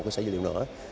cái sở dữ liệu nữa